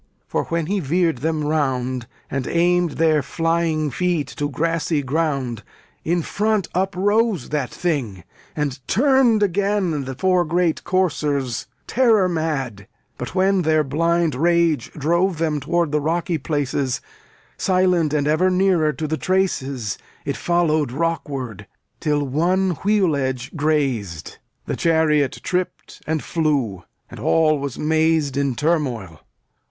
For when he veered them round, And aimed their flying feet to grassy ground, In front uprose that Thing, and turned again The four great coursers, terror mad. But when Their blind rage drove them toward the rocky places, Silent and ever nearer to the traces, It followed rockward, till one wheel edge grazed. The chariot tript and flew, and all was mazed In turmoil.